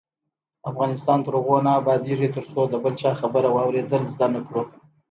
افغانستان تر هغو نه ابادیږي، ترڅو د بل چا خبره واوریدل زده نکړو.